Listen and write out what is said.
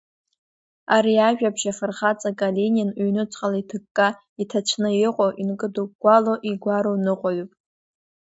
Ари ажәабжь афырхаҵа Калинин ҩнуҵҟала иҭыкка, иҭацәны иҟоу, инкыдыгәгәало игәароу ныҟәаҩуп.